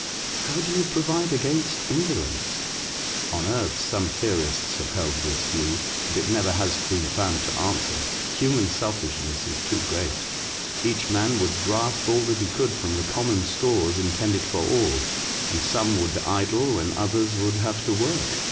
'' How do you provide against indolence ? On earth some theorists have held this view ; but it never has been found to answer — human selfishness is too great — each man would grasp all that he could from the common stores intended for all, and some would idle when others would have to work."